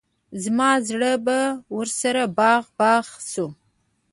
زما زړه به ورسره باغ باغ شو.